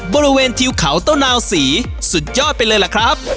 บริเวณทิวเขาเต้านาวศรีสุดยอดไปเลยล่ะครับ